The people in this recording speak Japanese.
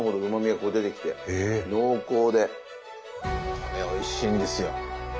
これおいしいんですよ。